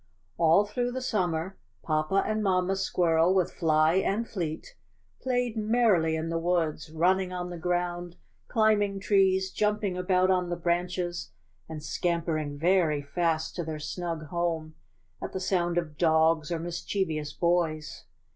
'^All through the summer Papa and Mamma Squirrel with Fly and Fleet played merrily in the woods, running on the ground, climbing trees, jumping about on the branches and scampering very fast to their snug home at the sound of dogs or mischievous boys.